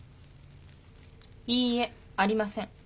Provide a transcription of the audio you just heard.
いいえありません。